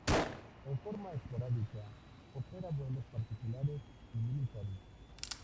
En forma esporádica opera vuelos particulares y militares.